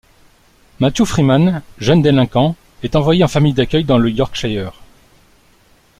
Mattew Freeman, jeune délinquant, est envoyé en famille d'accueil dans le Yorkshire.